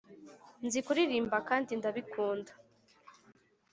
nzi kuririmba kandi ndabikunda